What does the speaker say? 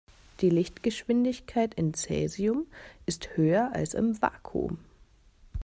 Die Lichtgeschwindigkeit in Cäsium ist höher als im Vakuum.